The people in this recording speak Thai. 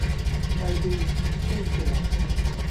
ใจดีสู้เสือ